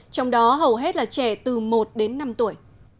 trong đó hầu hết là trẻ từ một đến năm tuổi